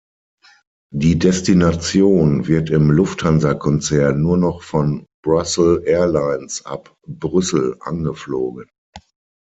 Die Destination wird im Lufthansa-Konzern nur noch von Brussels Airlines ab Brüssel angeflogen.